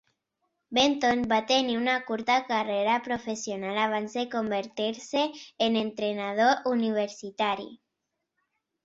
Benton va tenir una curta carrera professional abans de convertir-se en entrenador universitari.